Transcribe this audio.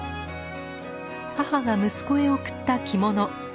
母が息子へ贈った着物。